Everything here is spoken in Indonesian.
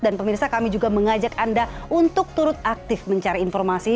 dan pemirsa kami juga mengajak anda untuk turut aktif mencari informasi